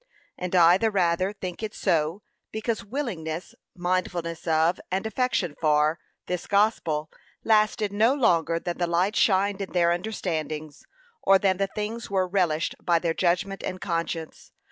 And I the rather think it so, because willingness, mindfulness of, and affection for, this gospel, lasted no longer than the light shined in their understandings, or than the things were relished by their judgment and conscience.